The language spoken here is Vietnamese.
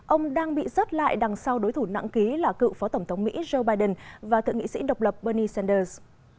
ông đang bị rớt lại đằng sau đối thủ nặng ký là cựu phó tổng thống mỹ joe biden và thượng nghị sĩ độc lập bernie sanders